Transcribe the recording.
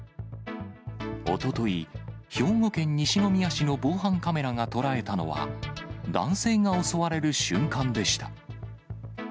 おととい、兵庫県西宮市の防犯カメラが捉えたのは、男性が襲われる瞬間でした。